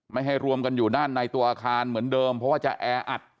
ไม่ให้รวมกันอยู่ด้านในตัวอาคารเหมือนเดิมเพราะว่าจะแออัด